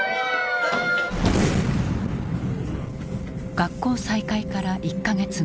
学校再開から１か月後。